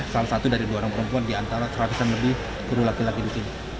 salah satu dari dua orang perempuan di antara seratusan lebih kru laki laki di sini